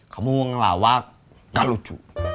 kamu ngelawak gak lucu